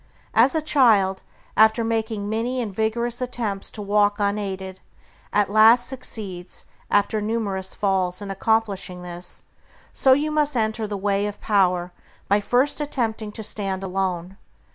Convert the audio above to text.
As a child, after making many and vigorous attempts to walk unaided, at last succeeds, after numerous falls, in accomplishing this, so you must enter the way of power by first attempting to stand alone.